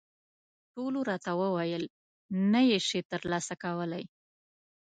ټولو راته وویل، نه یې شې ترلاسه کولای.